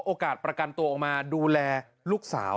โอกาสประกันตัวออกมาดูแลลูกสาว